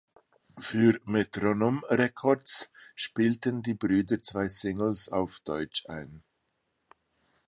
Für Metronome Records spielten die Brüder zwei Singles auf Deutsch ein.